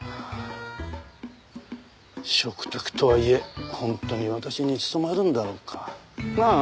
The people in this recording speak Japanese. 嘱託とはいえ本当に私に務まるんだろうか。なあ？